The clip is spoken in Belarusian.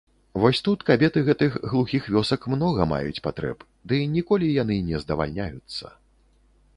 Вось тут кабеты гэтых глухіх вёсак многа маюць патрэб, ды ніколі яны не здавальняюцца.